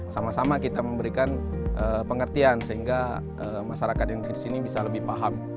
sama sama kita memberikan pengertian sehingga masyarakat yang di sini bisa lebih paham